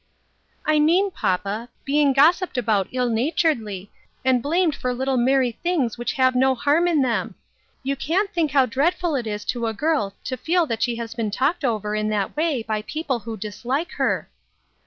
FOREWARNED " AND " FOREARMED." 53 " I mean, papa, being gossiped about ill naturedly, and blamed for little merry things which have no harm in them. You can't think how dreadful it is to a girl to feel that she is been talked over in that way by people who dislike her."